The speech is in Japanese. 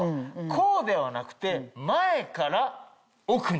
こうではなくて前から奥に。